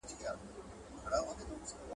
د کلي ژوند له ښار څخه ډېر توپیر لري.